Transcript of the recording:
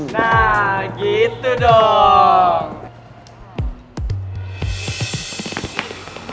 nah gitu dong